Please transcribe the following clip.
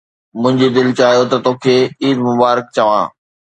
منهنجي دل چاهيو ته توکي عيد مبارڪ چوان.